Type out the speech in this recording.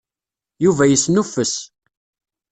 Yuba yesnuffes.